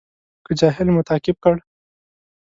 که جاهل مو تعقیب کړ.